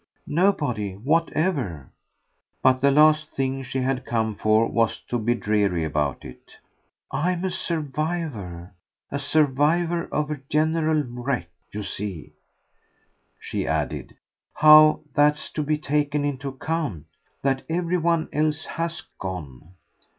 "Nobody whatever" but the last thing she had come for was to be dreary about it. "I'm a survivor a survivor of a general wreck. You see," she added, "how that's to be taken into account that every one else HAS gone.